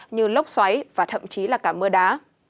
như lốc xoáy và thậm chí là cả mưa đá